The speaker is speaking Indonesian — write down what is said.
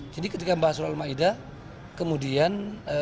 jadi ketika membahas surat al ma'idah kemudian